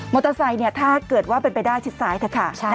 มอเตอร์ไซค์ถ้าเกิดว่าเป็นใบด้านชิดซ้ายนะคะ